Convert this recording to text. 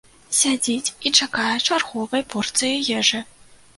Сядзіць і чакае чарговай порцыі ежы.